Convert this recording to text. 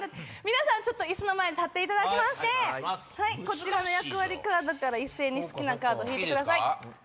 皆さん椅子の前に立っていただきましてこちらの役割カードから好きなカード引いてください。